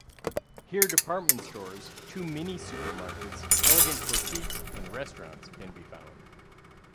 Here department stores, two mini-supermarkets, elegant boutiques and restaurants can be found.